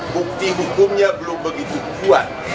bukti hukumnya belum begitu kuat